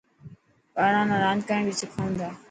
ٻاران نا راند ڪرڻ بهي سکائون ٿا.